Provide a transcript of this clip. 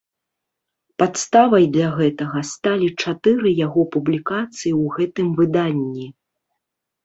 Падставай для гэтага сталі чатыры яго публікацыі ў гэтым выданні.